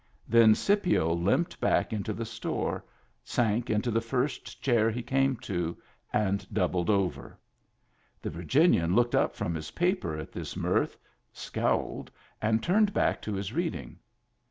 Then Scipio limped back into the store, sank into the first chair he came to, and doubled over. The Virginian looked up from his paper at this mirth, scowled, and turned back to his reading.